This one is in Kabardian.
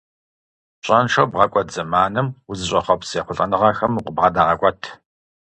Пщӏэншэу бгъэкӏуэд зэманым узыщӏэхъуэпс ехъулӏэныгъэхэм укъыбгъэдагъэкӏуэт.